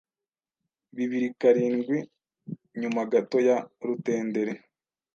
Bibiri karindwi nyuma gato ya rutenderi